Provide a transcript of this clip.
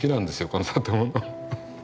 この建物。